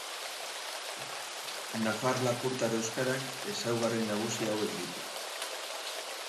Nafar-lapurtar euskarak ezaugarri nagusi hauek ditu.